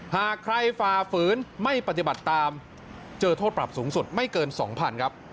หากใครฝ่าฝืนไม่ปฏิบัติตามเจอโทษปรับสูงสุดไม่เกิน๒๐๐๐ครับ